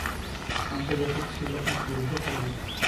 ‘আন্তর্জাতিক’ ছিলো এক দীর্ঘ কবিতা।